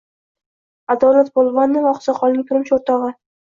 Adolat Polvonova oqsoqolning turmush o`rtog`i